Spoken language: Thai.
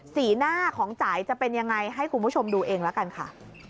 สีหน้าของจ่ายจะเป็นยังไงให้คุณผู้ชมดูเองละกันค่ะ